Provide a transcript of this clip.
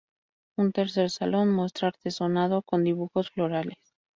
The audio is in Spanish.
Un tercer salón muestra artesonado con dibujos florales.